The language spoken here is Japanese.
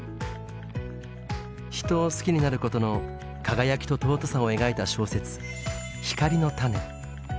人を好きになることの輝きと尊さを描いた小説「ヒカリノタネ」。